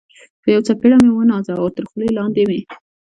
په یوه څپېړه مې و نازاوه، تر خولۍ لاندې مې.